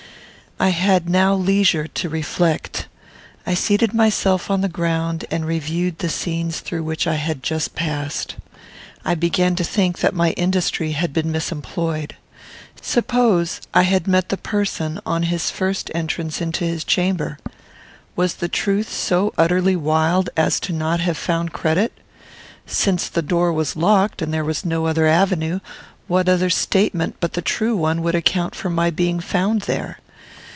I had now leisure to reflect. I seated myself on the ground and reviewed the scenes through which I had just passed. I began to think that my industry had been misemployed. Suppose I had met the person on his first entrance into his chamber? Was the truth so utterly wild as not to have found credit? Since the door was locked, and there was no other avenue, what other statement but the true one would account for my being found there?